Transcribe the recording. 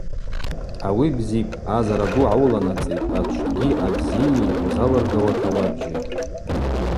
Ауи бзипӏ, ъазара ду гӏауыланацӏитӏ, ачвгьи абзии узалыргауата уабжьитӏ.